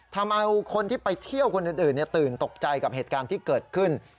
ทำเอาคนที่ไปเที่ยวคนอื่นตื่นตกใจกับเหตุการณ์ที่เกิดขึ้น